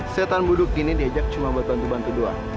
setan buduk kini diajak cuma buat bantu bantu doa